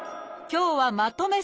今日はまとめ